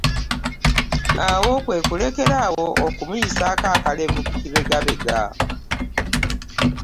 Awo kwe kulekeraawo okumuyisaako akalevu ku kibegabega.